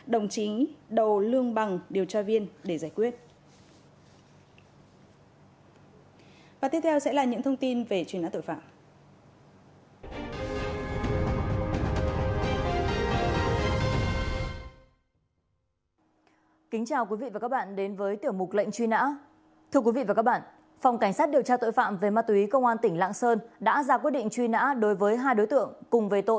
đồng chính đầu lương bằng điều tra viên để giải quyết